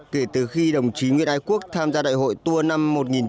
kể từ khi đồng chí nguyễn ái quốc tham gia đại hội tour năm một nghìn chín trăm bảy mươi